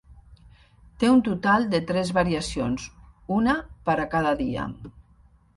Té un total de tres variacions, una per a cada dia.